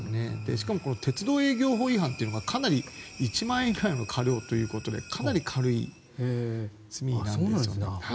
しかも鉄道営業法違反っていうのは１万円以下の科料ということでかなり軽い罪なんですよね。